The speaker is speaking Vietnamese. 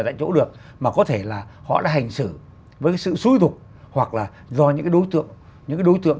tại chỗ được mà có thể là họ đã hành xử với sự xúi thục hoặc là do những đối tượng những đối tượng